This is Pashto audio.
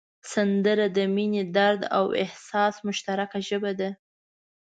سندره د مینې، درد او احساس مشترکه ژبه ده